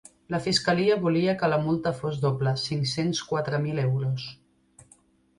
La fiscalia volia que la multa fos el doble, cinc-cents quatre mil euros.